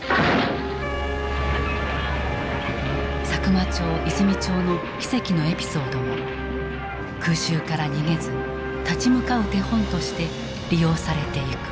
佐久間町・和泉町の奇跡のエピソードも空襲から逃げず立ち向かう手本として利用されていく。